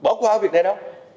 mà bỏ qua việc này đâu